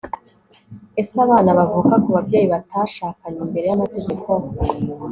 ese abana bavuka ku babyeyi batashakanye imbere y'amategako